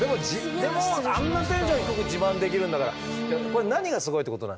でもあんなテンション低く自慢できるんだからこれ何がすごいってことなんですか？